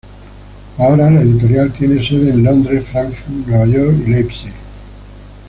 Ahora la editorial tiene sedes en Londres, Frankfurt, Nueva York y Leipzig.